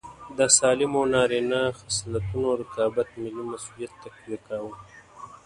د سالمو نارینه خصلتونو رقابت ملي مسوولیت تقویه کاوه.